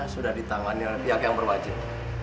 sudah ditangani oleh pihak yang berwajib